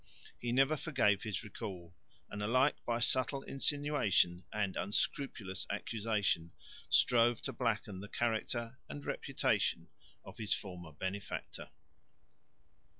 He never forgave his recall, and alike by subtle insinuation and unscrupulous accusation, strove to blacken the character and reputation of his former benefactor.